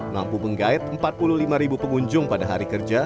mampu mengait empat puluh lima pengunjung pada hari kerja